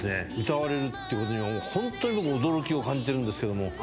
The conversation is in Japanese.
歌われるっていうことにホントに僕驚きを感じてるんですけども。